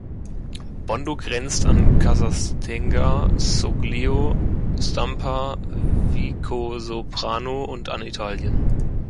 Bondo grenzt an Castasegna, Soglio, Stampa, Vicosoprano und an Italien.